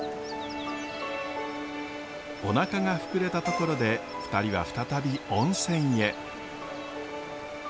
おなかが膨れたところで２人は再び温泉へ。